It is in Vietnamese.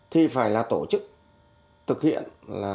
thì phải là tổ chức thực hiện